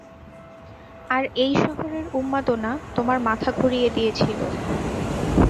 আর এই শহরের উন্মাদনা, তোমার মাথা ঘুরিয়ে দিয়েছিল।